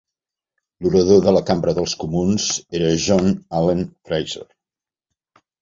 L'orador de la Cambra dels Comuns era John Allen Fraser.